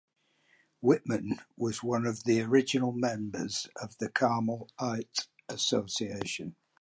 Whitman was one of the original members of the Carmel Art Association.